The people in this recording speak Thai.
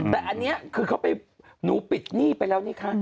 แต่อันนี้คือเขาไปหนูปิดหนี้ไปแล้วนี่คะ